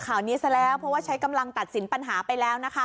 นี้ซะแล้วเพราะว่าใช้กำลังตัดสินปัญหาไปแล้วนะคะ